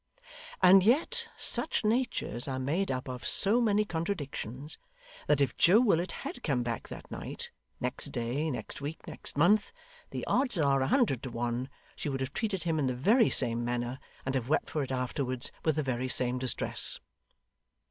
And yet such natures are made up of so many contradictions, that if Joe Willet had come back that night, next day, next week, next month, the odds are a hundred to one she would have treated him in the very same manner, and have wept for it afterwards with the very same distress.